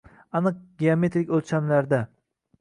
Aniq geometrik o‘lchamlarda u.